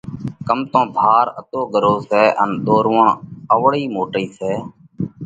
ڪم تو ڀار اتو ڳرو سئہ ان ۮورووڻ اوَڙئِي موٽئي سئہ